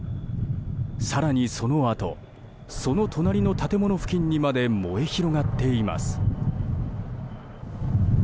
更にそのあとその隣の建物付近にまで燃え広がっています。